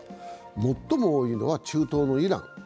最も多いのは中東のイラン。